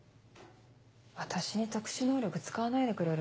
私に特殊能力使わないでくれる？